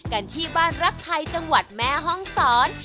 กันที่บ้านรักไทยจังหวัดแม่ห้องศร